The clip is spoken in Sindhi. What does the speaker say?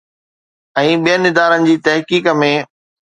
۽ ٻين ادارن جي تحقيق ۾